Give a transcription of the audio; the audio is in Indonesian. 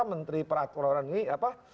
materi peraturan ini apa